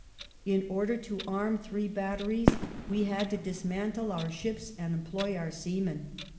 In order to arm three batteries we had to dismantle our ships and employ our seamen.